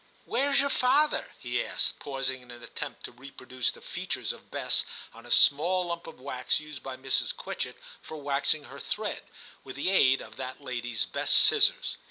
* Where's your father ?* he asked, pausing in an attempt to reproduce the features of Bess on a small lump of wax used by Mrs. Quitchett for waxing her thread, with the aid of that lady's best scissors.